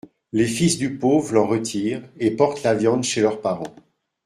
Les fils du pauvre l'en retirent et portent la viande chez leurs parents.